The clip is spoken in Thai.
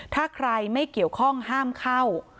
ถ้าใครไม่เกี่ยวข้องห้ามเข้า